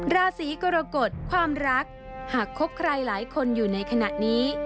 ราศีกรกฎความรักหากคบใครหลายคนอยู่ในขณะนี้